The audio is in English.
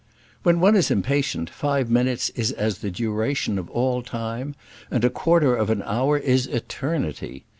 When one is impatient, five minutes is as the duration of all time, and a quarter of an hour is eternity.